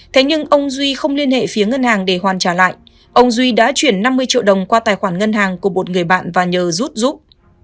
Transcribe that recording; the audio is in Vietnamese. thế nhưng ông duy không liên hệ phía ngân hàng để hoàn trả lại ông duy đã chuyển năm mươi triệu đồng qua tài khoản ngân hàng của một người bạn và nhờ rút giúp